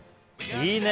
いいね。